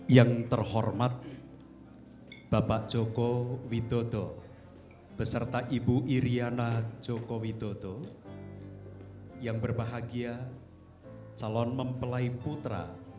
yang terhormat bapak joko widodo beserta ibu iryana joko widodo yang berbahagia calon mempelai putra